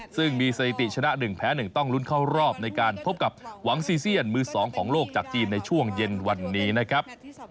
ซึ่งมีสถิติชนะ๑แพ้๑ต้องลุ้นเข้ารอบในการพบกับหวังซีเซียนมือ๒ของโลกจากจีนในช่วงเย็นวันนี้นะครับ